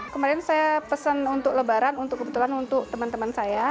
kemarin saya pesan untuk lebaran untuk kebetulan untuk teman teman saya